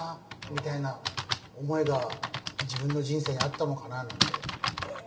みたいな思いが自分の人生にあったのかななんて。